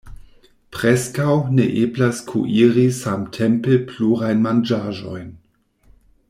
Preskaŭ ne eblas kuiri samtempe plurajn manĝaĵojn.